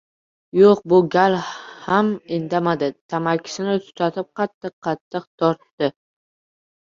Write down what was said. Yo‘q, bu gal ham indamadi. Tamakisini tutatib qattiq-qattiq tortdi.